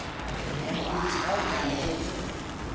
And it is already fulfilled.